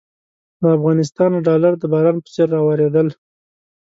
له افغانستانه ډالر د باران په څېر رااورېدل.